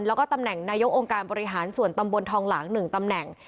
แล้วก็ตำแหน่งนายกองค์การบริหารส่วนตำบลทองหลาง๑ตำแหน่ง